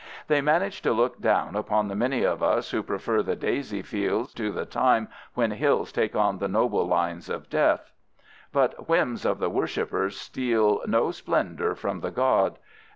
They manage to look down upon the many of us who prefer the daisy fields to the time "when hills take on the noble lines of death." But whims of the worshiper steal no splendor from the god.